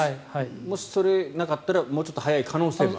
もしそれがなかったらもうちょっと早い可能性がある。